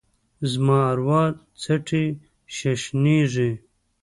زما اروا څټي ششنیږې